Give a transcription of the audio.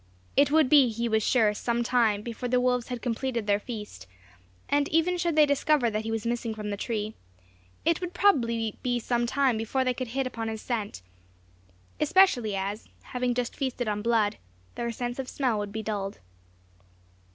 It would be, he was sure, some time before the wolves had completed their feast; and even should they discover that he was missing from the tree, it would probably be some time before they could hit upon his scent, especially as, having just feasted on blood, their sense of smell would be dulled.